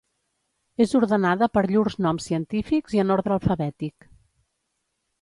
És ordenada per llurs noms científics i en ordre alfabètic.